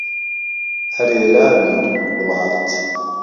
ئەرێ لاوی دوور وڵات